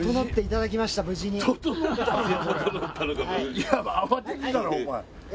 いや慌ててたろおまえ。